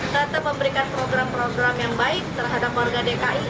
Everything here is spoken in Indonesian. tetap memberikan program program yang baik terhadap warga dki